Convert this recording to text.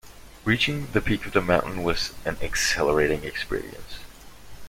Reaching the peak of the mountain was an exhilarating experience.